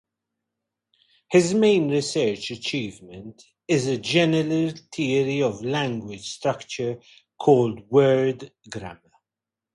His main research achievement is a general theory of language structure called word grammar.